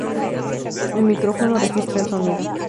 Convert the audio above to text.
El micrófono registra el sonido.